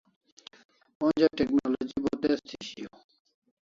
Onja technology bo tez thi shiau